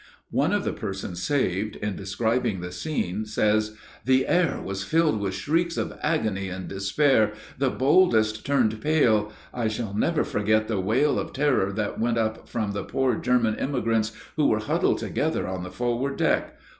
One of the persons saved, in describing the scene, says: "The air was filled with shrieks of agony and despair. The boldest turned pale. I shall never forget the wail of terror that went up from the poor German emigrants, who were huddled together on the forward deck.